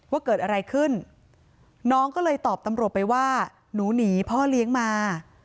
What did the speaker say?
ว่าเกิดอะไรขึ้นน้องก็เลยตอบตำรวจไปว่าหนูหนีพ่อเลี้ยงมา